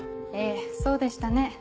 ええそうでしたね。